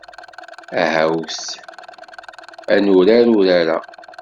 Ahawt ad nurar urar-a.